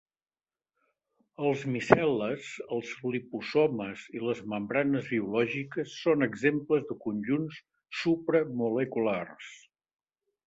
Els micel·les, els liposomes i les membranes biològiques són exemples de conjunts supramoleculars.